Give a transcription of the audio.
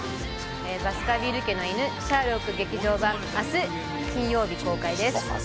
「バスカヴィル家の犬シャーロック劇場版」明日、金曜日公開です。